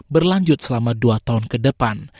berlanjut selama dua tahun ke depan